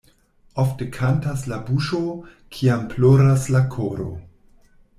Ofte kantas la buŝo, kiam ploras la koro.